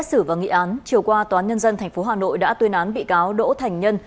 trước khi xử và nghị án chiều qua toán nhân dân tp hà nội đã tuyên án bị cáo đỗ thành nhân